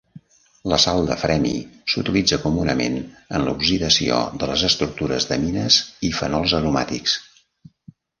La sal de Fremy s'utilitza comunament en l'oxidació de les estructures d'amines i fenols aromàtics.